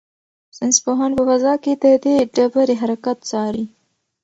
ساینس پوهان په فضا کې د دې ډبرې حرکت څاري.